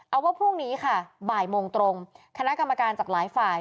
เอาว่าพรุ่งนี้ค่ะบ่ายโมงตรงคณะกรรมการจากหลายฝ่าย